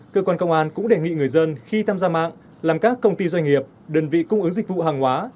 cơ quan công an cũng đề nghị người dân khi tham gia mạng làm các công ty doanh nghiệp đơn vị cung ứng dịch vụ hàng hóa